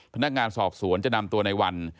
พนักงานสอบสวนจะนำตัวในวัน